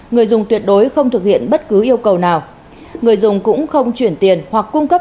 người dùng tuyệt đối không thực hiện bất cứ yêu cầu nào người dùng cũng không chuyển tiền hoặc cung cấp